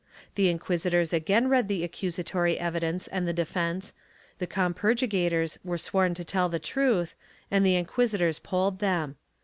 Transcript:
The inquisitors again read the accusatory evidence and the defence, the compurgators were sworn to tell the truth, and the inquisitors polled them.